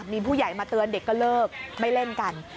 มีผู้ใหญ่มาเตือนเด็กก็เลิกไม่เล่นกัน